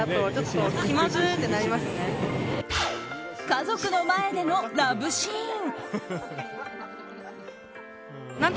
家族の前でのラブシーン。